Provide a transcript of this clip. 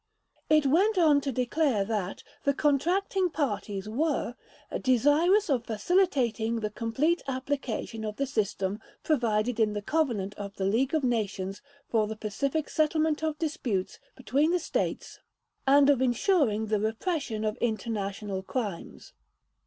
It went on to declare that the contracting parties were "desirous of facilitating the complete application of the system provided in the Covenant of the League of Nations for the pacific settlement of disputes between the States and of ensuring the repression of international crimes."